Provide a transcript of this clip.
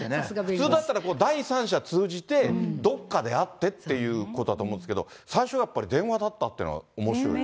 普通だったら第三者通じて、どっかであってっていうことだと思うんですけど、最初やっぱり電話だったっていうのがおもしろいですね。